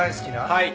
はい。